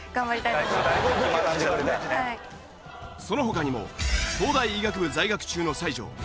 その他にも東大医学部在学中の才女